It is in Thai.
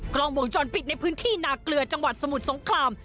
กล้องวงจรปิดในพื้นที่นาเกลือจังหวัดสมุทรสงคราม